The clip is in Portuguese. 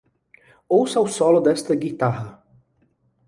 Ouça o solo desta guitarra!